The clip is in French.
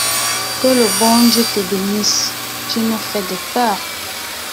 Que le bon Dieu te bénisse ! tu nous fais des peurs !